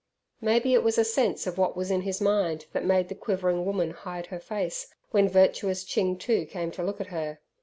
Maybe it was a sense of what was in his mind that made the quivering woman hide her face when virtuous Ching Too came to look at her.